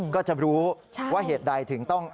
ก็จะรู้ว่าเหตุใดถึงต้อง